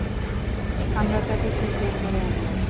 আমরা তাকে ঠিক বের করে আনবো।